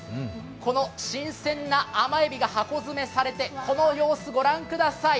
この新鮮な甘エビが箱詰めされて、この様子、ご覧ください。